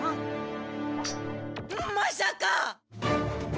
まさか！